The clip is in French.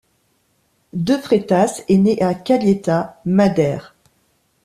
De Freitas est né à Calheta, Madère.